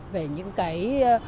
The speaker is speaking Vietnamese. về những cái